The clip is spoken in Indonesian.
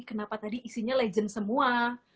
kenapa tadi isinya legend semua